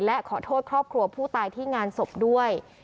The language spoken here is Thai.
และขอโทษครอบครัวผู้ตายที่งานศพด้วย